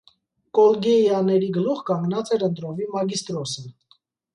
Կոլգեիաների գլուխ կանգնած էր ընտրովի մագիստրոսը։